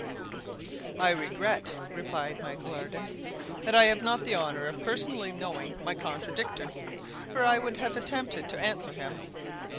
"I regret," replied Michel Ardan, "that I have not the honor of personally knowing my contradictor, for I would have attempted to answer him.